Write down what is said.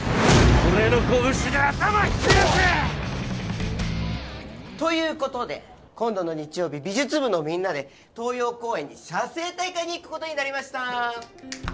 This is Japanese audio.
俺の拳で頭冷やせ！ということで今度の日曜日美術部のみんなで東葉公園に写生大会に行くことになりました。